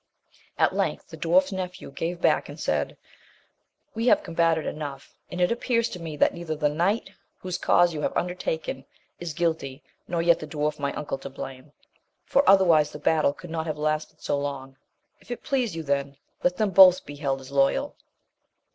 At length the dwarf's nephew gave back and said, we have combated enough, and it appears to me that neither the knight, whose cause you have un dertaken, is guilty, nor yet the dwarf my uncle to blame, for otherwise the battle could not have lasted so long : if it please you, then, let them both be held as loyal.